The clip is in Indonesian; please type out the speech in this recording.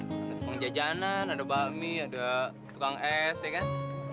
ada tukang jajanan ada bakmi ada tukang es ya kan